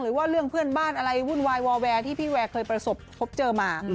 หรือว่าเรื่องเพื่อนบ้านอะไรวุ่นวายวอแวร์ที่พี่แวร์เคยประสบพบเจอมา